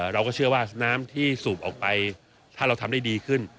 เราก็เชื่อว่าน้ำที่สูบออกไปถ้าเราทำได้ดีขึ้น